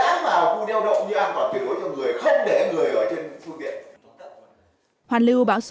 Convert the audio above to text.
đã vào khu đeo đậu như an toàn tuyệt vời cho người không để người ở trên khu viện